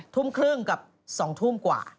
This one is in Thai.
ทุ่มครึ่งกับ๒ทุ่มกว่า